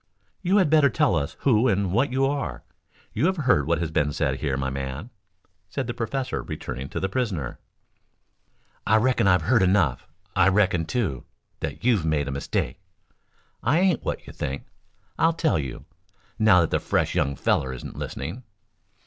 "You had better tell us who and what you are. You have heard what has been said here, my man," said the professor returning to the prisoner. "I reckon I've heard enough. I reckon, too, that you've made a mistake. I ain't what you think. I'll tell you, now that the fresh young feller isn't listening."